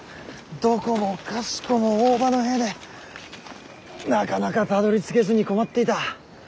どこもかしこも大庭の兵でなかなかたどりつけずに困っていた。